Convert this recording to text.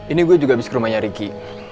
ini gue juga abis ke rumahnya ricky